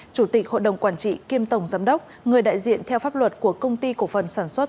chủ tịch hội đồng quản trị kiêm tổng giám đốc người đại diện theo pháp luật của công ty cổ phần sản xuất